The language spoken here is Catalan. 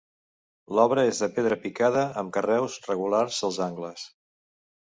L'obra és de pedra picada amb carreus regulars als angles.